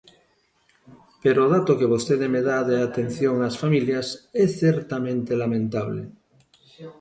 Pero o dato que vostede me dá da atención ás familias é certamente lamentable.